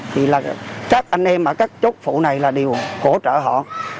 thì là các anh em ở các chốt phụ này là đều hỗ trợ họ